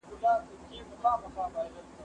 زه هره ورځ نان خورم؟